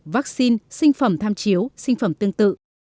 vaccine sinh phẩm tham chiếu sinh phẩm tương tự